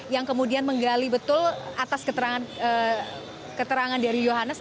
yang kemudian menggali betul atas keterangan dari yohannes